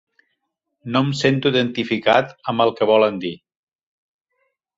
No em sento identificat amb el que volen dir.